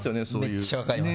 めっちゃ分かります。